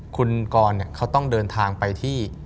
คุณกรเขาต้องเดินทางไปที่